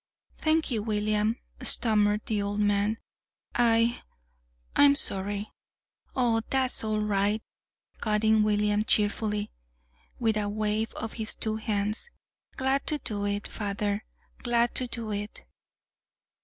"Thank you, William," stammered the old man. "I I'm sorry " "Oh, that's all right," cut in William cheerfully, with a wave of his two hands. "Glad to do it, father; glad to do it!"